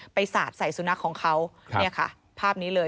สาดใส่สุนัขของเขาเนี่ยค่ะภาพนี้เลย